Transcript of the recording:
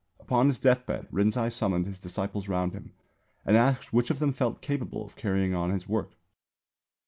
Upon his deathbed Rinzai summoned his disciples round him and asked which of them felt capable of carrying on his work.